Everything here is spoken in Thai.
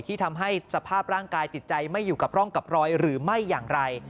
ทำให้สภาพร่างกายจิตใจไม่อยู่กับร่องกับรอยหรือไม่อย่างไร